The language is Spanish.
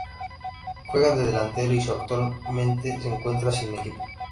Juega de delantero y su actualmente se encuentra sin equipo.